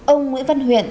ông nguyễn văn huyện